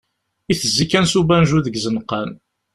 Itezzi kan s ubanju deg izenqan.